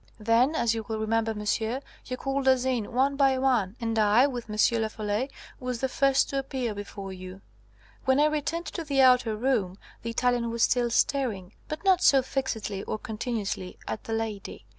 "Then, as you will remember, monsieur, you called us in one by one, and I, with M. Lafolay, was the first to appear before you. When I returned to the outer room, the Italian was still staring, but not so fixedly or continuously, at the lady.